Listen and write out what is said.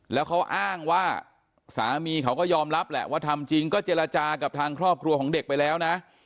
แล้วเขาอ้างว่าสามีเขาก็ยอมรับแหละว่าทำจริงก็เจรจากับทางครอบครัวของเด็กไปแล้วนะ